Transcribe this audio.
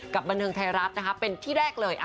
กับบันเทิงไทยรับเป็นที่แรกเลย